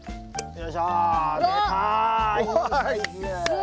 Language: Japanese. よいしょ！